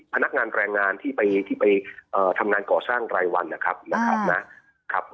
พนักงานแรงงานที่ไปทำงานก่อสร้างรายวันนะครับ